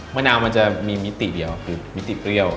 มะนาวมันจะมีมิติเดียวคือมิติเปรี้ยว